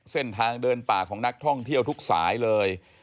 เส้นทางเดินป่าของนักท่องเที่ยวทุกสายเลย